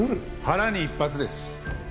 腹に１発です。